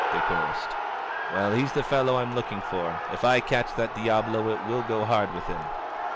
they chorused. "Well, he's the fellow I'm looking for. If I catch that diahlo it will go hard with him